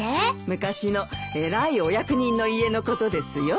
昔の偉いお役人の家のことですよ。